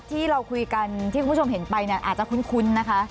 ที่เราคุยกันที่คุณผู้ชมเห็นไปเนี่ยอาจจะคุ้นนะคะ